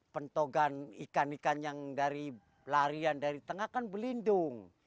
pentogan ikan ikan yang dari larian dari tengah kan berlindung